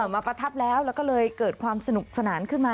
ประทับแล้วแล้วก็เลยเกิดความสนุกสนานขึ้นมา